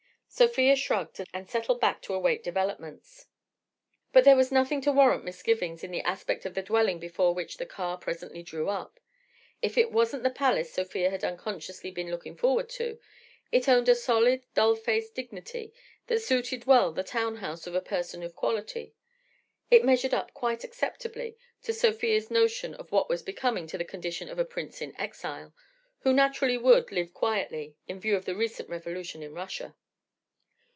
Sofia shrugged, and settled back to await developments. But there was nothing to warrant misgivings in the aspect of the dwelling before which the car presently drew up. If it wasn't the palace Sofia had unconsciously been looking forward to, it owned a solid, dull faced dignity that suited well the town house of a person of quality, it measured up quite acceptably to Sofia's notion of what was becoming to the condition of a prince in exile—who naturally would live quietly, in view of the recent revolution in Russia.